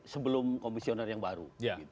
sebelum komisioner yang baru